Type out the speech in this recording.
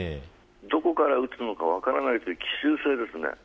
どこから撃つか分からないという奇襲性です。